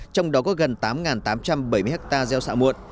trong đó có gần tám tám trăm bảy mươi hectare gieo xạ muộn